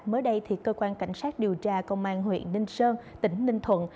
mới đây thì cơ quan cảnh sát điều tra công an huyện ninh sơn tỉnh ninh thuận